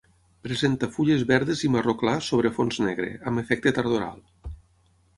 Presenta fulles verdes i marró clar sobre fons negre, amb efecte tardoral.